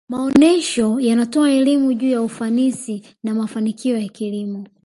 maonesha yanatoa elimu juu ya ufanisi na mafanikio ya kilimo